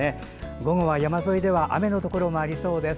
午後は山沿いでは雨のところもありそうです。